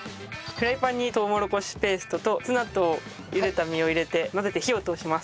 フライパンにとうもろこしペーストとツナと茹でた実を入れて混ぜて火を通します。